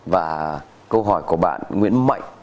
và câu hỏi của bạn nguyễn mạnh